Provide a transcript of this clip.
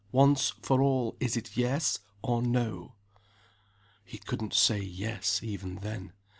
Once for all, is it Yes, or No?" He couldn't say "Yes," even then.